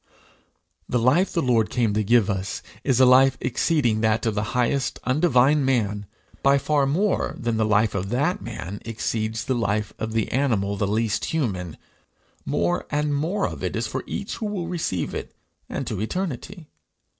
The life the Lord came to give us is a life exceeding that of the highest undivine man, by far more than the life of that man exceeds the life of the animal the least human. More and more of it is for each who will receive it, and to eternity.